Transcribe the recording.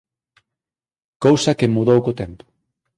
Cousa que mudou co tempo.